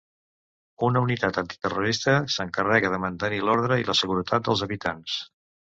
Una unitat antiterrorista s'encarrega de mantenir l'ordre i la seguretat dels habitants.